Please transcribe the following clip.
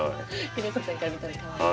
廣瀬さんから見たらかわいい。